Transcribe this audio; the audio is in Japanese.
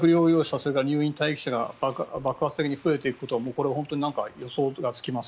それから入院待機者が爆発的に増えていくことは予想がつきます。